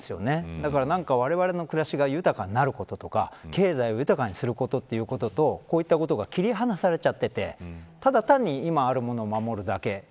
だから、われわれの暮らしが豊かになることとか経済を豊かにすることということとこういったことが切り離されちゃっててただ単に今あるものを守るだけ。